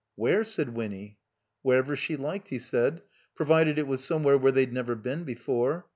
''Where?" said Winny. Wherever she liked, he said, provided it was some where where they'd never been before.